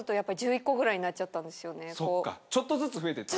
ちょっとずつ増えてった？